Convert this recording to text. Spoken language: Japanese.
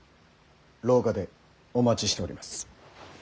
廊下でお待ちしております。